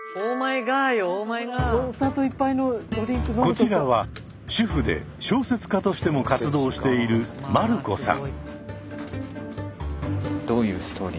こちらは主婦で小説家としても活動している丸子さん。